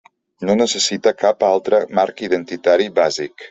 No necessite cap altre marc identitari bàsic.